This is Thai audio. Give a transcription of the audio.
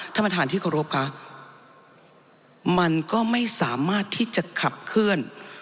ท่านประธานที่เคารพค่ะมันก็ไม่สามารถที่จะขับเคลื่อน